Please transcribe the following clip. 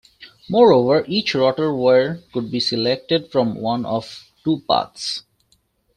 Moreover, each rotor wire could be selected from one of two paths.